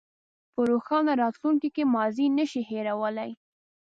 په روښانه راتلونکي کې ماضي نه شئ هېرولی.